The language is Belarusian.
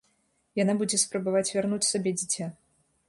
Яна будзе спрабаваць вярнуць сабе дзіця.